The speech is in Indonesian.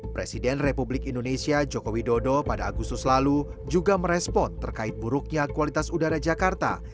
presiden republik indonesia joko widodo pada agustus lalu juga merespon terkait buruknya kualitas udara jakarta